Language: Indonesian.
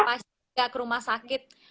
pasien nggak ke rumah sakit